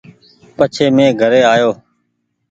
پڇي مين گھري آيو ۔